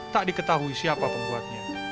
tak diketahui siapa pembuatnya